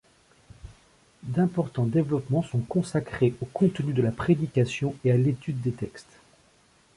D’importants développements sont consacrés au contenu de la prédication et à l’étude des textes.